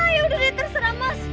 ya udah terserah mas